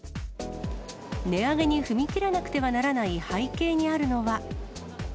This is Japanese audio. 値上げに踏み切らなくてはならない背景にあるのは。